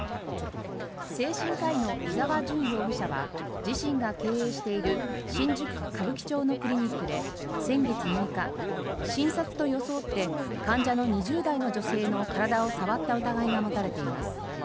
精神科医の伊沢純容疑者は自身が経営している新宿区歌舞伎町のクリニックで先月６日診察と装って患者の２０代の女性の体を触った疑いが持たれています。